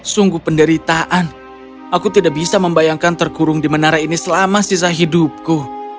sungguh penderitaan aku tidak bisa membayangkan terkurung di menara ini selama sisa hidupku